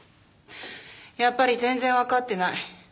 やっぱり全然わかってない。